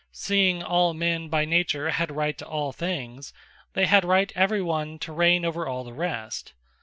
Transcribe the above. Seeing all men by Nature had Right to All things, they had Right every one to reigne over all the rest.